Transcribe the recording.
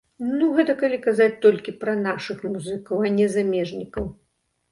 Ну, гэта калі казаць толькі пра нашых музыкаў, а не замежнікаў.